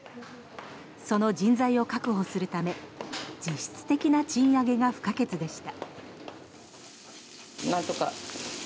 その人材を確保するため実質的な賃上げが不可欠でした。